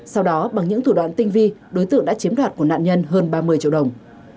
sau đó bằng những thủ đoạn tinh vi đối tượng đã chiếm đoạt của nạn nhân hơn ba mươi triệu đồng